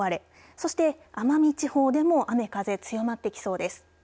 そして奄美地方でも雨風強まってきそうです。